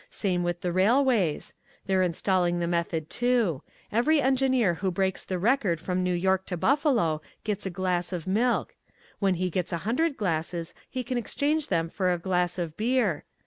Same with the railways. They're installing the Method, too. Every engineer who breaks the record from New York to Buffalo gets a glass of milk. When he gets a hundred glasses he can exchange them for a glass of beer.